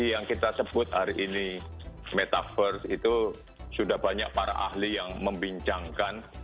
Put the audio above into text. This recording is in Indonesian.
jadi yang kita sebut hari ini metaverse itu sudah banyak para ahli yang membincangkan